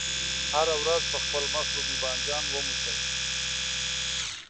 هره ورځ په خپل مخ رومي بانجان وموښئ.